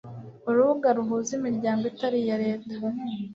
urubuga ruhuza imiryango itari iya leta